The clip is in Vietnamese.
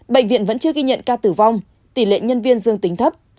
bệnh viện vẫn chưa ghi nhận ca tử vong tỷ lệ nhân viên dương tính thấp